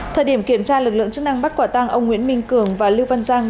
thời điểm kiểm tra lực lượng chức năng bắt quả tang ông nguyễn minh cường và lưu văn giang